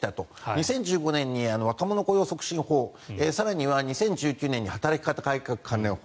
２０１５年に若者雇用促進法更には２０１９年に働き方改革関連法